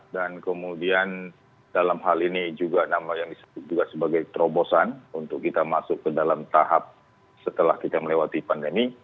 dan kemudian dalam hal ini juga nama yang disebut juga sebagai terobosan untuk kita masuk ke dalam tahap setelah kita melewati pandemi